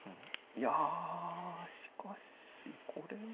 いやしかしこれは。